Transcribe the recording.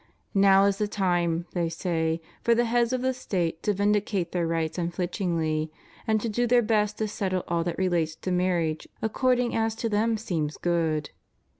Now is the time, they say, for the heads of the State to vindicate their rights unflinchingly, and to do their best to settle all that relates to marriage according as to them seems good.